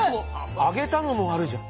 揚げたのもあるじゃん。